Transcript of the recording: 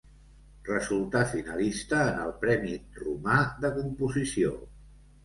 Resultà finalista en el Premi Roma de Composició.